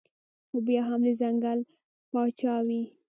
خو بيا هم د ځنګل باچا وي